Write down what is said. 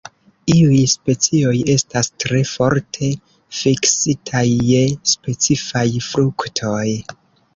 Iuj specioj estas tre forte fiksitaj je specifaj fruktoj.